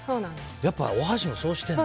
やっぱりお箸もそうしてるんだ。